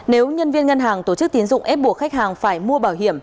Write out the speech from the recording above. nếu nhân viên ngân hàng tổ chức tiến dụng ép buộc khách hàng phải mua bảo hiểm